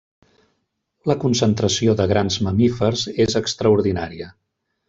La concentració de grans mamífers és extraordinària.